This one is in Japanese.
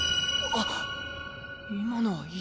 あっ。